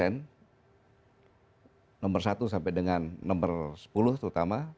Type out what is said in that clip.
nomor satu sampai dengan nomor sepuluh terutama